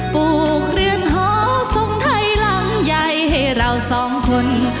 ปลูกเรือนหอทรงไทยหลังใหญ่ให้เราสองคน